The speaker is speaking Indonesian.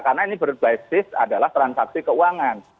karena ini berbasis adalah transaksi keuangan